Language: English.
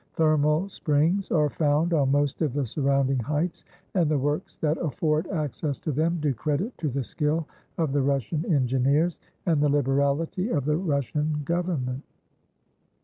Thermal springs are found on most of the surrounding heights, and the works that afford access to them do credit to the skill of the Russian engineers and the liberality of the Russian government.